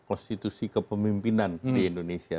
institusi kepemimpinan di indonesia